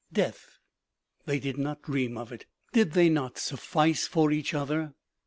OMEGA. 261 Death ! They did not dream of it. Did they not suf fice for each other ?